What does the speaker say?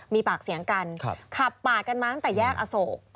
มีปากเสียงกันขับปาดกันมาตั้งแต่แยกอโศก